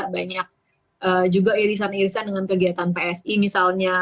banyak juga irisan irisan dengan kegiatan psi misalnya